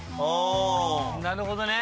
なるほどね。